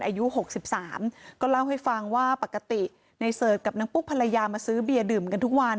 อายุ๖๓ก็เล่าให้ฟังว่าปกติในเสิร์ชกับนางปุ๊กภรรยามาซื้อเบียร์ดื่มกันทุกวัน